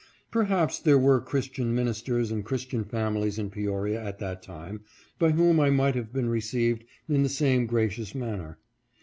Per haps there were Christian ministers and Christian fami lies in Peoria at that time by whom I might have been received in the same gracious manner.